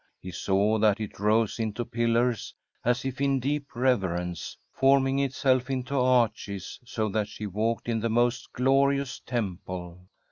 He saw that it rose into pillars, as if in deep reverence, forming itself into arches, so that she walked in the most glorious temple.